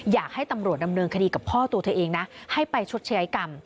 อยากให้ตำรวจดำเนินคดีกับพ่อตัวเธอเองนะให้ไปชดใช้กรรม